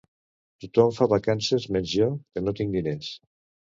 Tothom fa vacances menys jo que no tinc diners